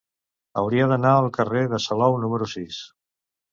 Hauria d'anar al carrer de Salou número sis.